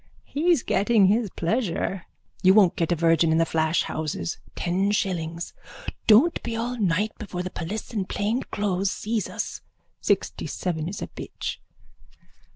_ He's getting his pleasure. You won't get a virgin in the flash houses. Ten shillings. Don't be all night before the polis in plain clothes sees us. Sixtyseven is a bitch.